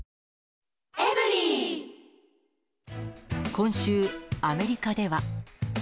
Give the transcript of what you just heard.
今週、アメリカでは。